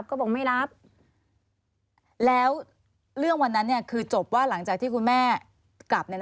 คุณแม่คาทแล้วนั้นคือจบว่าหลังจากที่คุณแม่กลับ